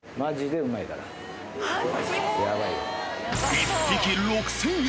１匹６０００円